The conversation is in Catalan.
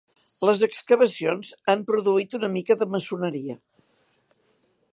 Les excavacions han produït una mica de maçoneria.